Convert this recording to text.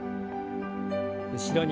後ろに。